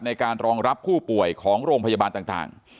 ในการรองรับผู้ป่วยของโรงพยาบาลต่าง